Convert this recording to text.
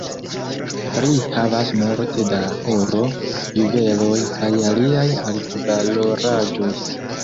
Ri havas multe da oro, juveloj kaj aliaj altvaloraĵoj.